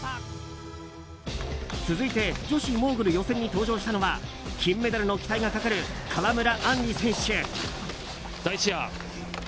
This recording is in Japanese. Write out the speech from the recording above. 続いて女子モーグル予選に登場したのは金メダルの期待がかかる川村あんり選手。